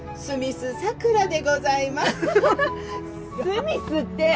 スミスって！